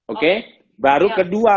oke baru kedua